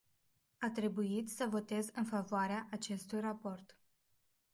A trebuit să votez în favoarea acestui raport.